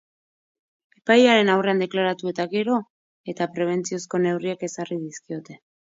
Epailearen aurrean deklaratu eta gero, eta prebentziozko neurriak ezarri dizkiote.